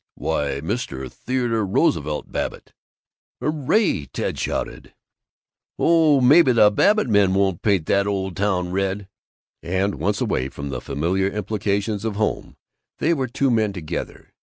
Why, Mr. Theodore Roosevelt Babbitt!" "Hurray!" Ted shouted, and "Oh, maybe the Babbitt men won't paint that lil ole town red!" And, once away from the familiar implications of home, they were two men together.